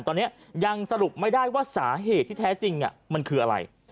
ตอนนี้ยังสรุปไม่ได้ว่าสาเหตุที่แท้จริงมันคืออะไร